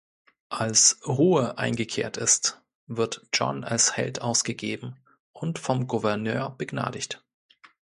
Als Ruhe eingekehrt ist, wird John als Held ausgegeben und vom Gouverneur begnadigt.